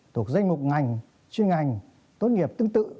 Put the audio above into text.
thuộc danh mục ngành chuyên ngành tốt nghiệp tương tự